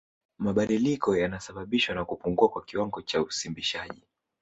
Mabadiliko yanasababishwa na kupungua kwa kiwango cha usimbishaji